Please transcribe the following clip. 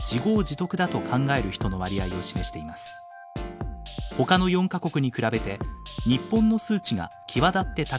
ほかの４か国に比べて日本の数値が際立って高いことが分かります。